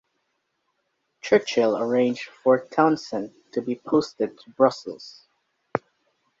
Churchill arranged for Townsend to be posted to Brussels.